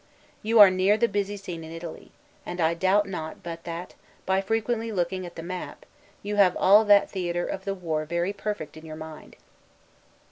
You are near the busy scene in Italy; and I doubt not but that, by frequently looking at the map, you have all that theatre of the war very perfect in your mind.